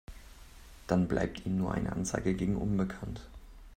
Dann bleibt ihm nur eine Anzeige gegen unbekannt.